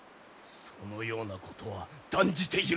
そのようなことは断じて許せぬ！